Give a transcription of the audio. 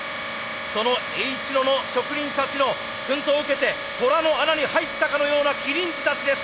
そのＨ野の職人たちの薫陶を受けて虎の穴に入ったかのようなきりん児たちです。